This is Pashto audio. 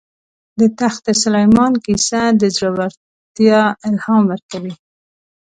د تخت سلیمان کیسه د زړه ورتیا الهام ورکوي.